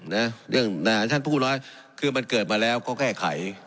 นะเรื่องนะท่านผู้น้อยคือมันเกิดมาแล้วก็แค่ไข